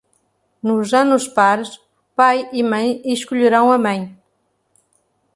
Nos anos pares, pai e mãe escolherão a mãe.